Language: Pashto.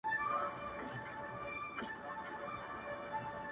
o د پاسه مسله راغله، په درست جهان خوره راغله٫